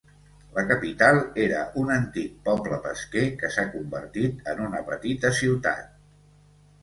La capital era un antic poble pesquer, que s'ha convertit en una petita ciutat.